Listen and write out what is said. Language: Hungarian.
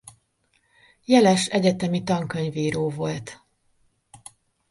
Jeles egyetemi tankönyvíró volt.